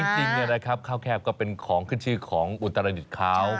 จริงข้าวแคบก็เป็นของขึ้นชื่อของอุตรดิษฐ์เขา